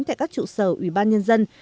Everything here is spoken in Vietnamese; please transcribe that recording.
tại các trụ sở ủy ban nhân dân